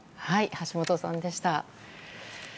橋本さんでした。